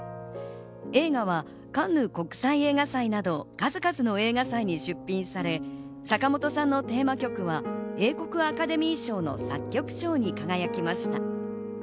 映画はカンヌ国際映画祭など、数々の映画祭に出品され、坂本さんのテーマ曲は英国アカデミー賞の作曲賞に輝きました。